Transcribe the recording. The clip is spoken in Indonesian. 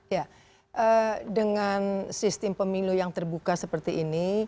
ya dengan sistem pemilu yang terbuka seperti ini